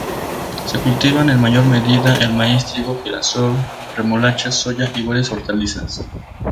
Se cultivan en mayor medida el maíz, trigo, girasol, remolacha, soja y varias hortalizas.